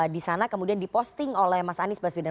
di sana kemudian diposting oleh mas anies baswedan